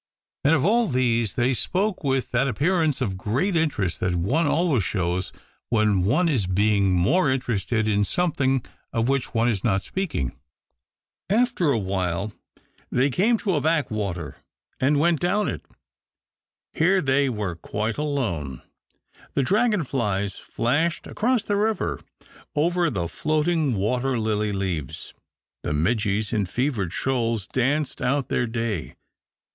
And of all these they spoke with that appearance of great interest that one always shows when one is being more interested in something of which one is not speaking. THE OCTAVE OF CLAUDIUS. 259 After a little while they came to a back iTater, and went down it. Here they were uite alone. The dragon flies flashed across he river over the floating water lily leaves, 'he midges in fevered shoals danced out their ay.